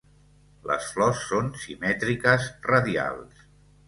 Les flors són simètriques radials.